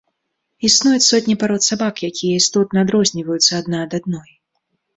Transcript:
Існуюць сотні парод сабак, якія істотна адрозніваюцца адна ад адной.